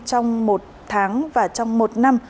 trong một tháng và trong một năm